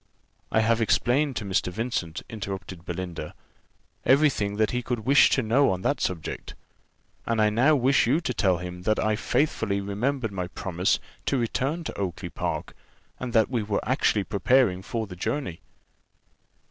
"I have explained to Mr. Vincent," interrupted Belinda, "every thing that he could wish to know on that subject, and I now wish you to tell him that I faithfully remembered my promise to return to Oakly park, and that we were actually preparing for the journey."